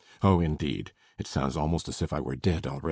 Oh, indeed! It sounds almost as if I were dead already.